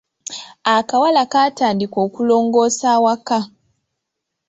Akawala kaatandika okulongoosa awaka.